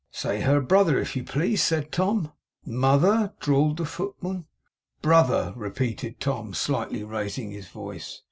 'Say her brother, if you please,' said Tom. 'Mother?' drawled the footman. 'Brother,' repeated Tom, slightly raising his voice.